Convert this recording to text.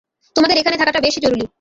তোমাদের এখানে থাকাটা বেশি জরুরি।